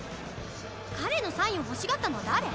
彼のサインを欲しがったのは誰？